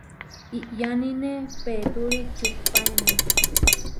Iʼyánine peetúri čuhpaéme.